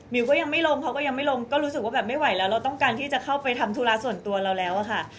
ก็ยังไม่ลงเขาก็ยังไม่ลงก็รู้สึกว่าแบบไม่ไหวแล้วเราต้องการที่จะเข้าไปทำธุระส่วนตัวเราแล้วอะค่ะ